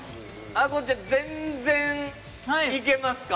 あこちゃん全然いけますか？